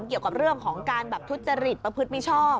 เกี่ยวกับเรื่องของการแบบทุจริตประพฤติมิชอบ